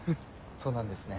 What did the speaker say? そうなんですね。